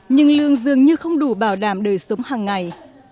nhưng lương dường như không đủ bảo đảm đời sống hàng ngày